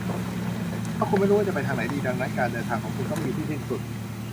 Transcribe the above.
ถ้าคุณไม่รู้ว่าจะไปทางไหนดี ดังนั้นการเดินทางของคุณก็ไม่มีที่สิ้นสุด